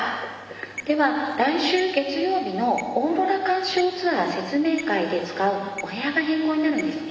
では来週月曜日のオーロラ観賞ツアー説明会で使うお部屋が変更になるんですね。